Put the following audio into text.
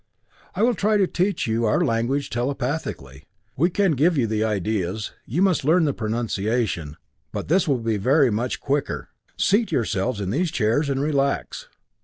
"We will try to teach you our language telepathically. We can give you the ideas you must learn the pronunciation, but this will be very much quicker. Seat yourselves in these chairs and relax."